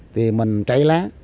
thì mình cháy lá